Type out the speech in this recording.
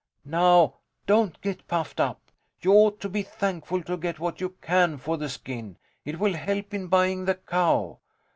Now, don't get puffed up. You ought to be thankful to get what you can for the skin. It will help in buying the cow.